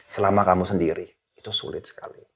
selama kamu sendiri itu sulit sekali